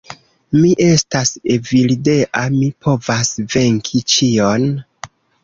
Mi estas Evildea, mi povas venki ĉion.